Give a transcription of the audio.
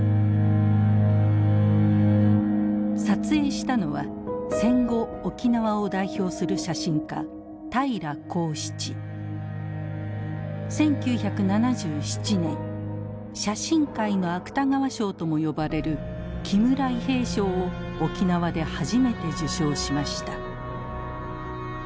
撮影したのは戦後沖縄を代表する写真家１９７７年写真界の芥川賞とも呼ばれる木村伊兵衛賞を沖縄で初めて受賞しました。